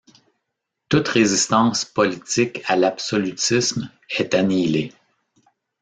Toute résistance politique à l’absolutisme est annihilée.